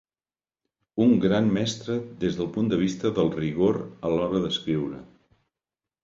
Un gran mestre des del punt de vista del rigor a l'hora d'escriure.